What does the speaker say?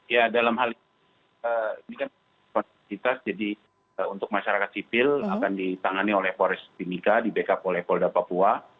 ya dalam hal ini kan konektivitas jadi untuk masyarakat sipil akan ditangani oleh polres timika di backup oleh polda papua